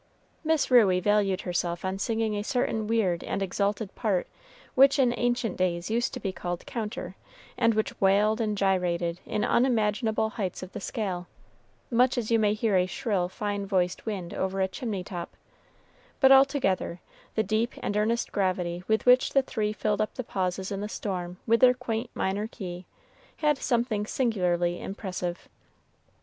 Miss Ruey valued herself on singing a certain weird and exalted part which in ancient days used to be called counter, and which wailed and gyrated in unimaginable heights of the scale, much as you may hear a shrill, fine voiced wind over a chimney top; but altogether, the deep and earnest gravity with which the three filled up the pauses in the storm with their quaint minor key, had something singularly impressive.